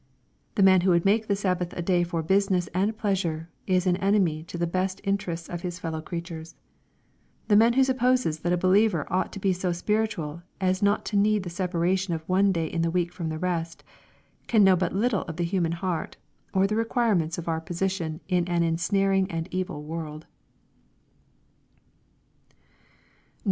The man who would make the Sabbath a day for business and pleasure, is an enemy to the best interests of his fellow creatures. The man who supposes that a believer ought to be so spiritual as not to need the separation of one day in the week from the rest, can know but little of the human heart, or the requirements of our position in an ensnaring and evil world.